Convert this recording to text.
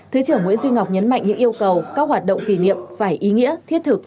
thứ trưởng nguyễn duy ngọc nhấn mạnh những yêu cầu các hoạt động kỷ niệm phải ý nghĩa thiết thực